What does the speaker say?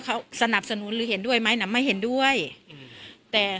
กินโทษส่องแล้วอย่างนี้ก็ได้